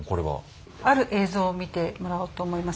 ある映像を見てもらおうと思います。